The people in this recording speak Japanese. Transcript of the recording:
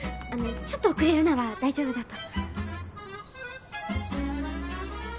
ちょっと遅れるなら大丈夫だと。